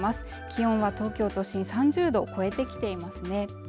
気温は東京都心３０度超えてきていますね